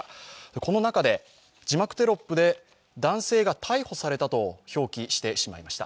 この中で字幕テロップで男性が逮捕されたと表記してしまいました。